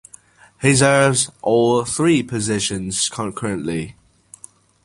He serves all three positions concurrently.